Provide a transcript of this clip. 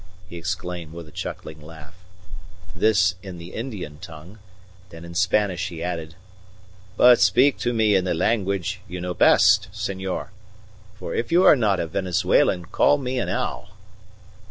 he exclaimed, with a chuckling laugh. This in the Indian tongue; then in Spanish he added: "But speak to me in the language you know best, senor; for if you are not a Venezuelan call me an owl."